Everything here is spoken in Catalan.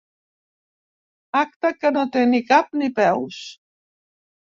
Acte que no té ni cap ni peus.